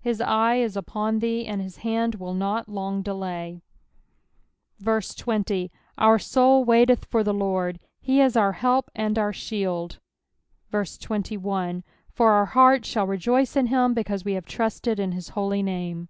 His eye is upon thee, and his liaSd will not long delay. 20 Our soul waiteth for the LoRD : he is our help and our shield. 21 For our heart shall rejoice in him, because we have trusted in his holy name.